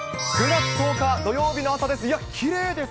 ９月１０日土曜日の朝です。